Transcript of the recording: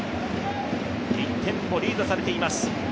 １点をリードされています。